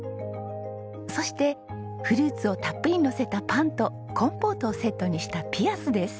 そしてフルーツをたっぷりのせたパンとコンポートをセットにしたピアスです。